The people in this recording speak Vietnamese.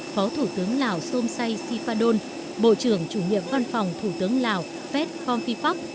phó thủ tướng lào sôm say sifadon bộ trưởng chủ nhiệm văn phòng thủ tướng lào phép phong phi pháp